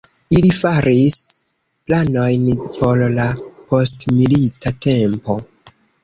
Ili faris planojn por la postmilita tempo.